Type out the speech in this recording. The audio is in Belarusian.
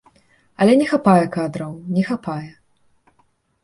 Але не хапае кадраў, не хапае.